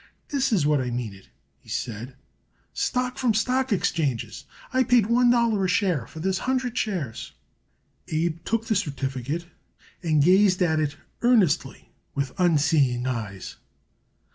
"This is what I mean it," he said; "stock from stock exchanges. I paid one dollar a share for this hundred shares." Abe took the certificate and gazed at it earnestly with unseeing eyes.